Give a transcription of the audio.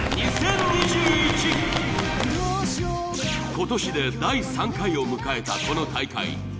今年で第３回を迎えたこの大会。